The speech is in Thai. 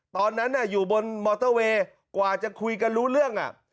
ตอนนั้นอยู่บนมอเตอร์เวย์กว่าจะคุยกันรู้เรื่อง